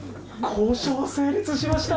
交渉成立しました！